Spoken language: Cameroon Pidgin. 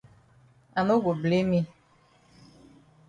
I no go blame yi.